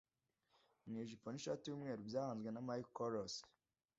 Mu ijipo n’ishati by’umweru byahanzwe na Michael Kors